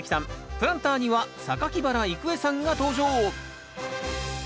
プランターには原郁恵さんが登場。